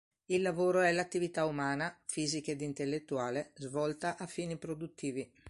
Il lavoro è l'attività umana, fisica ed intellettuale, svolta a fini produttivi.